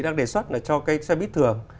đang đề xuất là cho cái xe bíp thường